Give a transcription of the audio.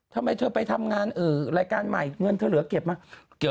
ทำไมเธอไปทำงานรายการใหม่เงินเธอเหลือเก็บมา